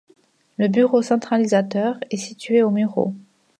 Le bureau centralisateur est situé aux Mureaux.